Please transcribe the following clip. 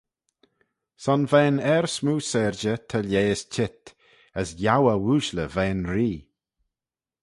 Son veih'n er smoo syrjey ta lheiys cheet, as yiow eh ooashley veih'n Ree.